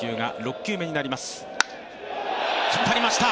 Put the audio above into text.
引っ張りました。